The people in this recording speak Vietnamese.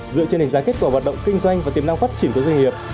dựa trên hình dáng kết quả hoạt động kinh doanh và tiềm năng phát triển của doanh nghiệp